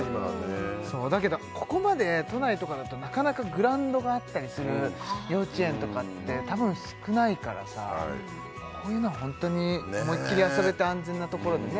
そうだけどここまで都内とかだとなかなかグラウンドがあったりする幼稚園とかって多分少ないからさこういうのはホントに思いっきり遊べて安全なところでね